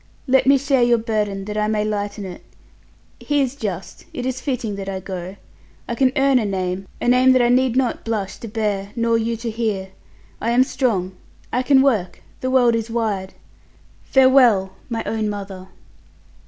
Let me share your burden that I may lighten it. He is just. It is fitting that I go. I can earn a name a name that I need not blush to bear nor you to hear. I am strong. I can work. The world is wide. Farewell! my own mother!"